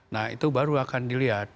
nah itu baru akan dilihat